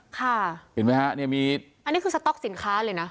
ค่ะเห็นไหมฮะอันนี้คือสต็อกสินค้าเลยนะ